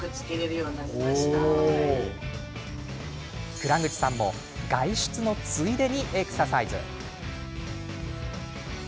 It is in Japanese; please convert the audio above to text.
蔵口さんも、外出のついでにエクササイズ。